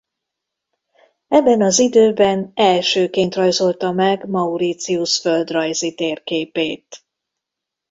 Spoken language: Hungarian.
Ebben az időben elsőként rajzolta meg Mauritius földrajzi térképét.